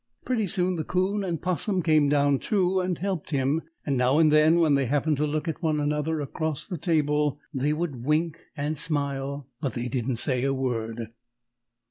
Pretty soon the 'Coon and 'Possum came down, too, and helped him, and now and then, when they happened to look at each other across the table, they would wink and smile, but they didn't say a word.